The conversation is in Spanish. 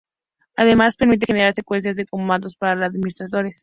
Además, permite generar secuencias de comandos para los administradores.